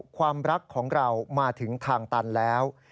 ความรักของเรามาถึงทางตันแล้ว